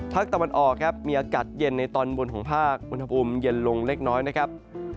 ตะวันออกครับมีอากาศเย็นในตอนบนของภาคอุณหภูมิเย็นลงเล็กน้อยนะครับ